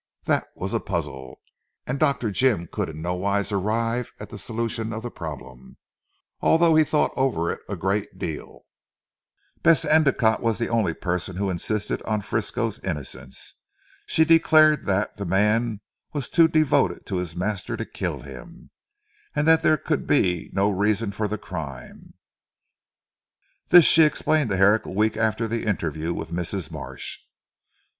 That was a puzzle, and Dr. Jim could in nowise arrive at the solution of the problem, although he thought over it a great deal. Bess Endicotte was the only person who insisted on Frisco's innocence. She declared that the man was too devoted to his master to kill him, and that there could be no reason for the crime. This she explained to Herrick a week after the interview with Mrs. Marsh.